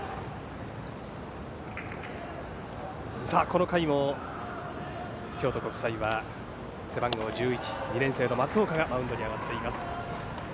この回も京都国際は背番号１１、２年生の松岡がマウンドに上がっています。